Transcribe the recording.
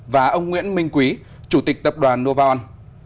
và ông nguyễn minh quý chủ tịch tập đoàn novaon